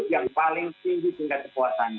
yang paling tinggi tingkat kepuasannya